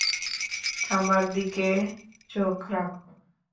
আমার দিকে চোখ রাখো।